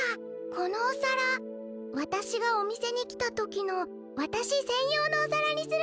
このおさらわたしがおみせにきたときのわたしせんようのおさらにするのはどう？